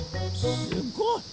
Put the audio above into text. すごい。